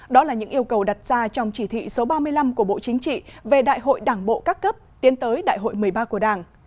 đó là những yêu cầu đặt ra trong chỉ thị số ba mươi năm của bộ chính trị về đại hội đảng bộ các cấp tiến tới đại hội một mươi ba của đảng